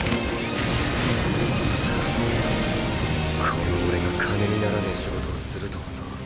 この俺が金にならねえ仕事をするとはな。